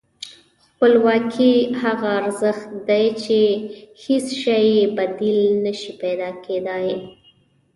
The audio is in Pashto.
خپلواکي هغه ارزښت دی چې هېڅ شی یې بدیل نه شي کېدای.